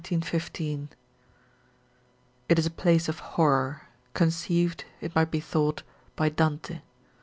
_ It is a place of horror, conceived, it might be thought by Dante.